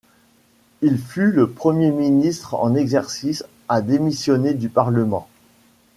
Il fut le premier Ministre en exercice à démissionner du Parlement.